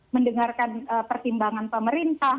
mendengarkan pertimbangan pemerintah